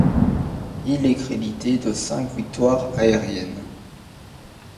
Il est crédité de cinq victoires aériennes.